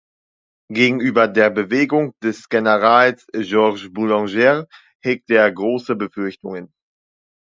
Gegenüber der Bewegung des Generals Georges Boulanger hegte er große Befürchtungen.